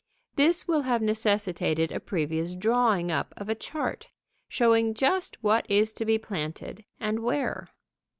This will have necessitated a previous drawing up of a chart, showing just what is to be planted and where.